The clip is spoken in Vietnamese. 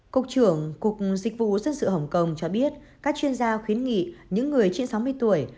cục trưởng cục dịch vụ dân sự hồng kông cho biết các chuyên gia khuyến nghị những người trên sáu mươi tuổi